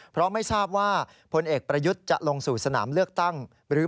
เพราะไม่ทราบว่าพลเอกประยุทธ์จะลงสู่สนามเลือกตั้งหรือ